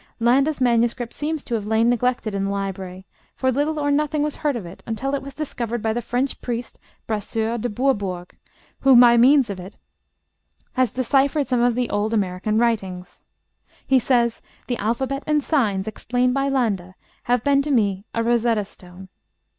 Landa's manuscript seems to have lain neglected in the library, for little or nothing was heard of it until it was discovered by the French priest Brasseur de Bourbourg, who, by means of it, has deciphered some of the old American writings. He says, 'the alphabet and signs explained by Landa have been to me a Rosetta stone.'